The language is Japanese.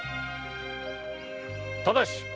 ただし！